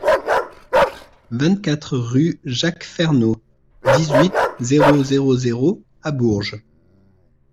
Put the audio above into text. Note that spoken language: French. vingt-quatre rue Jacques Fernault, dix-huit, zéro zéro zéro à Bourges